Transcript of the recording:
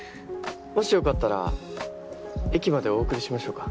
もしよかったら駅までお送りしましょうか。